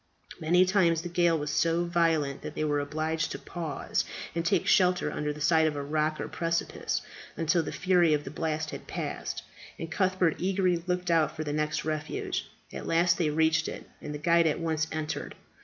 Many times the gale was so violent that they were obliged to pause, and take shelter under the side of a rock or precipice, until the fury of the blast had passed; and Cuthbert eagerly looked out for the next refuge. At last they reached it, and the guide at once entered.